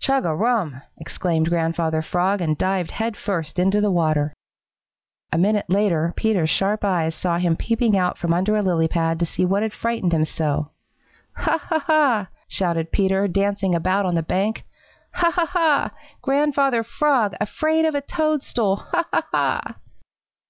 "Chug a rum!" exclaimed Grandfather Frog and dived head first into the water. A minute later Peter's sharp eyes saw him peeping out from under a lily pad to see what had frightened him so. "Ha, ha, ha!" shouted Peter, dancing about on the bank. "Ha, ha, ha! Grandfather Frog, afraid of a toadstool! Ha, ha, ha!"